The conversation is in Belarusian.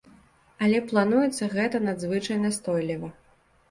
Але плануецца гэта надзвычай настойліва.